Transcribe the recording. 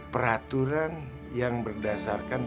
peraturan yang berdasarkan